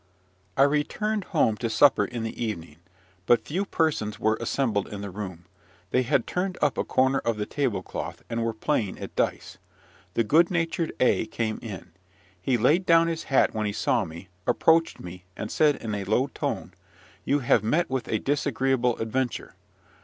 I returned home to supper in the evening. But few persons were assembled in the room. They had turned up a corner of the table cloth, and were playing at dice. The good natured A came in. He laid down his hat when he saw me, approached me, and said in a low tone, "You have met with a disagreeable adventure."